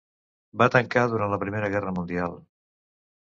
Va tancar durant la Primera Guerra Mundial.